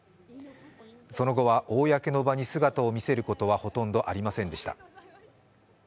その後は公の場に姿を見せることはほとんどありませんでした。